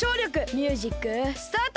ミュージックスタート！